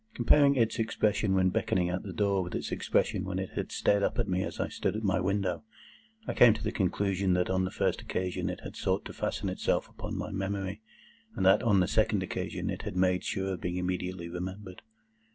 Comparing its expression when beckoning at the door with its expression when it had stared up at me as I stood at my window, I came to the conclusion that on the first occasion it had sought to fasten itself upon my memory, and that on the second occasion it had made sure of being immediately remembered.